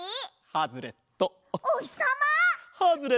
ハズレット。